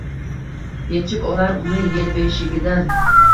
yechib olar uni yelbeshigidan